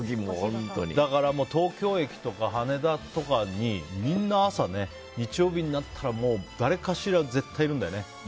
だから、東京駅とか羽田とかにみんな朝、日曜日になったら誰かしら絶対にいるんだよね。